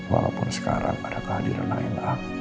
walaupun sekarang ada kehadiran nak